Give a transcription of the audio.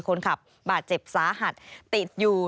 คนขับบาดเจ็บสาหัสติดอยู่